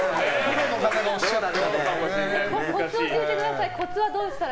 コツを教えてください。